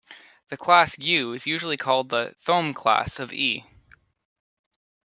The class "u" is usually called the Thom class of "E".